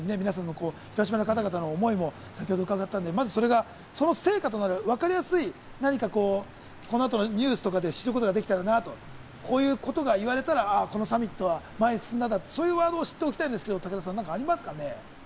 広島の方々の思いも先ほど伺ったので、その成果となるわかりやすい何か、この後ニュースで知ることができたらなと、こういうことが言われたら、このサミットは前に進んだと、そういうワードを知っておきたいんですけれども、武田さん。